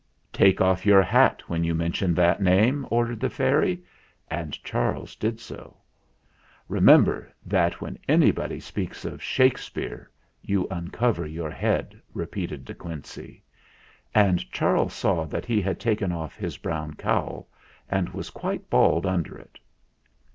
"Take off your hat when you mention that name!" ordered the fairy; and Charles did so. "Remember that when anybody speaks of Shakespeare you uncover your head," repeated De Quincey ; and Charles saw that he had taken off his brown cowl, and was quite bald under it.